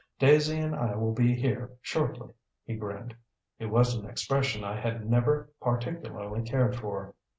Daisy and I will be here shortly." He grinned. It was an expression I had never particularly cared for.